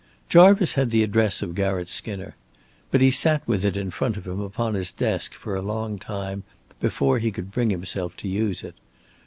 Jarvice had the address of Garratt Skinner. But he sat with it in front of him upon his desk for a long time before he could bring himself to use it.